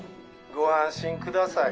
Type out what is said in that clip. ご安心ください。